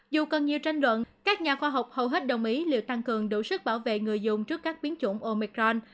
dù còn nhiều tranh luận các nhà khoa học hầu hết đồng ý liệu tăng cường đủ sức bảo vệ người dùng trước các biến chủng omicron